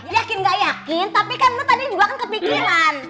yakin gak yakin tapi kan lo tadi juga kan kepikiran